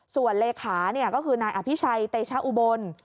ส่วนเลขาก็คือนายอภิชัยเตชะอุบล